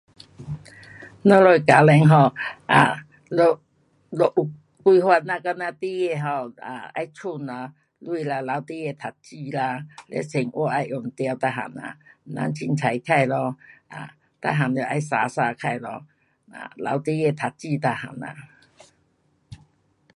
我们的家庭 um um 若，若有规划呐像那毕业后要省哈，钱得留孩儿读书啦，嘞生活要用到每样啦，别随便花咯。um 每样都要省省花咯。um 留一点读书每样啦。